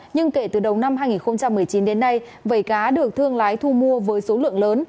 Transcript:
nhưng kể từ đầu năm hai nghìn một mươi chín đến nay vẩy cá được thương lái thu mua với số lượng lớn